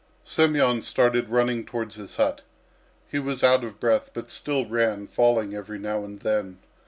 Semyon started running towards his hut. He was out of breath, but still ran, falling every now and then.